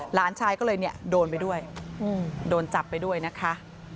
หลานชายก็เลยเนี่ยโดนไปด้วยโดนจับไปด้วยนะคะ